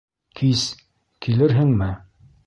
Кис... килерһеңме?